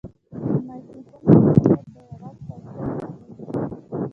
د مایکروفون حساسیت د غږ کیفیت ته اغېز لري.